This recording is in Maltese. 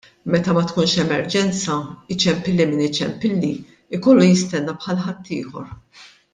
Meta ma tkunx emerġenza, iċempilli min iċempilli, ikollu jistenna bħal ħaddieħor.